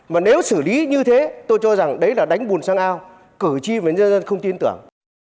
mà nếu xử lý như thế tôi cho rằng đấy là đánh buồn sang ao cử chi với dân dân không tin tưởng